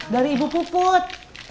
dari ibu puput